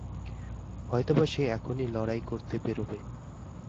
হয়তো-বা সে এখনই লড়াই করতে বেরোবে।